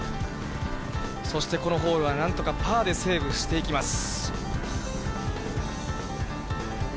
そして、このホールはなんとかパーでセーブしていきます。